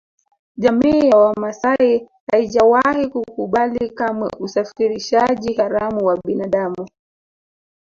Jamii ya Wamasai haijawahi kukubali kamwe usafirishaji haramu wa binadamu